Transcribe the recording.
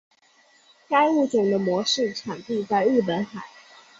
该物种的模式产地在日本海。